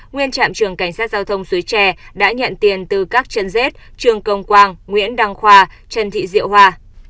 nguyên trạm trường cảnh sát giao thông suối tre đã nhận tiền từ các chân dết trường công quang nguyễn đăng khoa trần thị diệu hoa